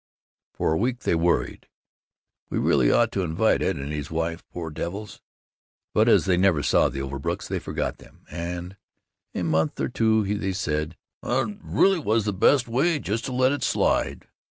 For a week they worried, "We really ought to invite Ed and his wife, poor devils!" But as they never saw the Overbrooks, they forgot them, and after a month or two they said, "That really was the best way, just to let it slide.